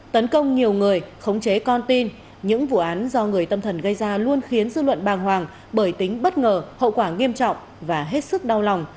tấn công nhiều người khống chế con tin những vụ án do người tâm thần gây ra luôn khiến dư luận bàng hoàng bởi tính bất ngờ hậu quả nghiêm trọng và hết sức đau lòng